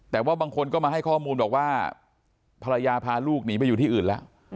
แต่ว่าบางคนก็มาให้ข้อมูลบอกว่าภรรยาพาลูกหนีไปอยู่ที่อื่นแล้ว